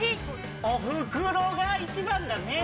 おふくろが一番だねー。